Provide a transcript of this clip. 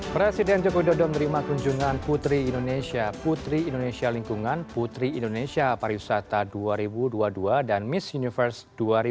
presiden joko widodo menerima kunjungan putri indonesia putri indonesia lingkungan putri indonesia pariwisata dua ribu dua puluh dua dan miss universe dua ribu dua puluh